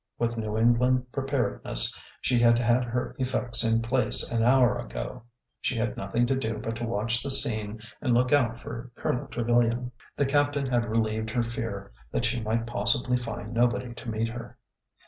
With New England pre paredness, she had had her effects in place an hour ago. She had nothing to do but to watch the scene and look out for Colonel Trevilian. The captain had relieved her fear that she might pos sibly find nobody to meet her.